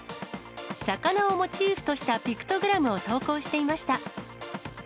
魚をモチーフとしたピクトグラムを投稿していました。